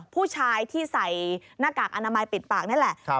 ผู้ชายที่ใส่หน้ากากอนามัยปิดปากนั่นแหละ